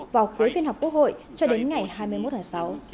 vào cuối phiên họp quốc hội cho đến ngày hai mươi một tháng sáu